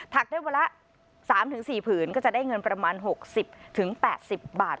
ักได้วันละ๓๔ผืนก็จะได้เงินประมาณ๖๐๘๐บาท